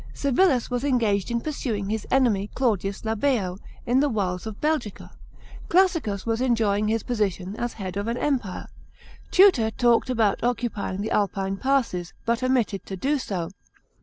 Civilis was engaged in pursuing his enemy Claudius Labeo, in the wilds of Itelgica. Clnssicus was enjoying his position as head of an empire. Tutor talked about occui ying the Alpine passes, but omitted to do so.